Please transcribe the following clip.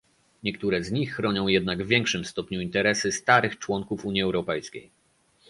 Niektóre z nich chronią jednak w większym stopniu interesy starych członków Unii Europejskiej